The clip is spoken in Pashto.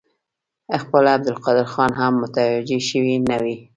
خپله عبدالقادر خان هم متوجه شوی نه وي.